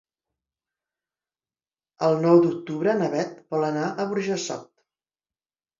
El nou d'octubre na Beth vol anar a Burjassot.